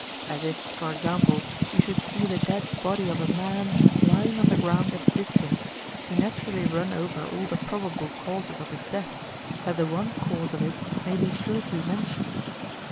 As if, for example, you should see the dead body of a man lying on the ground at a distance, you naturally run over all the probable causes of his death,^ that the one cause of it may be sure to be mentioned.